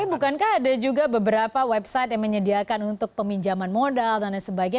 tapi bukankah ada juga beberapa website yang menyediakan untuk peminjaman modal dan lain sebagainya